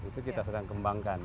itu kita sedang kembangkan